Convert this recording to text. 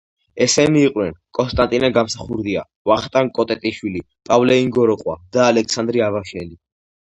ესენი იყვნენ: კონსტანტინე გამსახურდია, ვახტანგ კოტეტიშვილი, პავლე ინგოროყვა და ალექსანდრე აბაშელი.